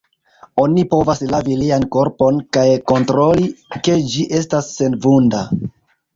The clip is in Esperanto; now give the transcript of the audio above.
Oni povas lavi lian korpon, kaj kontroli, ke ĝi estas senvunda.